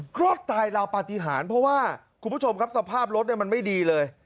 รอดตายราวปฏิหารเพราะว่าคุณผู้ชมครับสภาพรถมันไม่ดีเลย